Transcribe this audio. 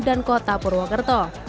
dan kota purwokerto